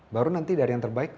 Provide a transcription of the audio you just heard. baru nanti dari yang terbaik